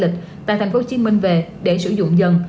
lịch tại thành phố hồ chí minh về để sử dụng dần